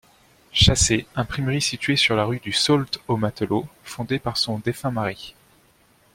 Chassé, imprimerie située sur la rue du Sault-au-Matelot fondée par son défunt mari.